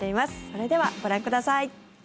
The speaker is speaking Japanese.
それではご覧ください。